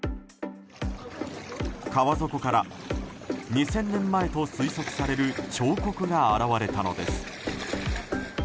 川底から２０００年前と推測される彫刻が現れたのです。